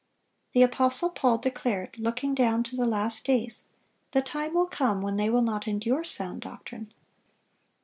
The apostle Paul declared, looking down to the last days, "The time will come when they will not endure sound doctrine."